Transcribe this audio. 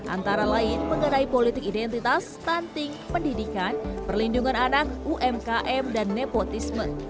antara lain mengenai politik identitas stunting pendidikan perlindungan anak umkm dan nepotisme